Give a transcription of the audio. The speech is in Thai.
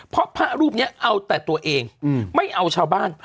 เพราะพระรูปนี้เอาแต่ตัวเองไม่เอาชาวบ้าน